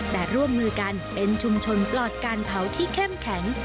แต่ร่วมมือกันเป็นชุมชนปลอดการเผาที่เข้มแข็ง